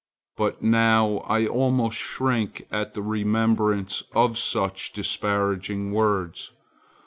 But now I almost shrink at the remembrance of such disparaging words.